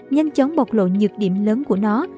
nhanh chóng bọc lộ nhược điểm lớn của nó